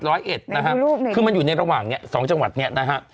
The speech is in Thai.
ในที่รูปนี้คือมันอยู่ในระหว่างเนี่ยสองจังหวัดเนี่ยนะฮะ